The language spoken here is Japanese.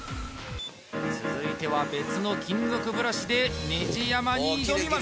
続いては別の金属ブラシでネジ山に挑みます